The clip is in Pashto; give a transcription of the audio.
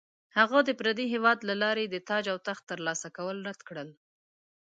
هغه د پردي هیواد له لارې د تاج او تخت ترلاسه کول رد کړل.